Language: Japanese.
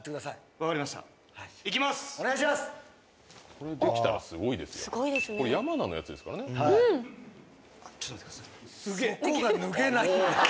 これできたらすごいですよ。